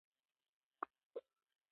دا درېیم ځل دی